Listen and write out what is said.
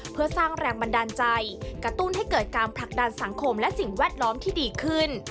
เพื่อสร้างแรงบันดาลใจกระตุ้นให้เกิดการผลักดันสังคมและสิ่งแวดล้อมที่ดีขึ้น